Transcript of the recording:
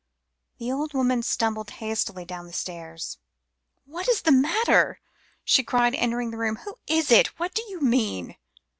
The old woman stumbled hastily down the dark stairs. "What is the matter?" she cried, entering the room. "Who is it? What do you mean?"